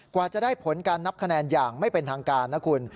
กว่าจะได้ผลการนับคะแนนอย่างไม่เป็นทางการนะคุณ